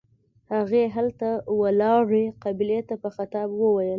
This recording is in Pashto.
هغې هلته ولاړې قابلې ته په خطاب وويل.